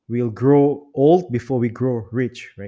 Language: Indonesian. tumbuh tua sebelum kita